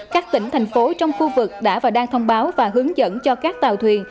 các tỉnh thành phố trong khu vực đã và đang thông báo và hướng dẫn cho các tàu thuyền